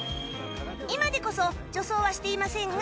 今でこそ女装はしていませんが